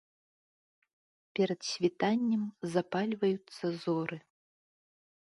Перад світаннем запальваюцца зоры.